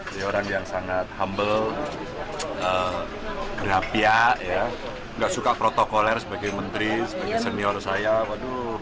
beliau orang yang sangat humble kerapia nggak suka protokoler sebagai menteri sebagai senior saya